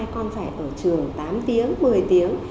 con phải ở trường tám tiếng một mươi tiếng